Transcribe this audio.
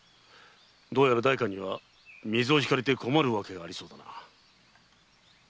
どうやら代官には水を引かれて困るわけがありそうだ。